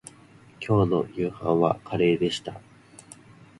きょうの夕飯はカレーでした